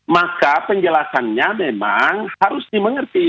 maka penjelasannya memang harus dimengerti